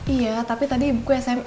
iya tapi tadi buku sma